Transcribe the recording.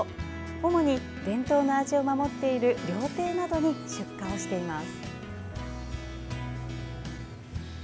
主に伝統の味を守っている料亭などに出荷をしています。